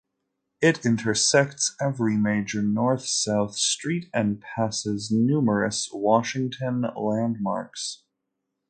It intersects every major north-south street and passes numerous Washington landmarks.